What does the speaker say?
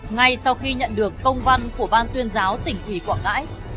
ngay sau khi nhận được công văn của ban tuyên giáo tỉnh ủy quảng ngãi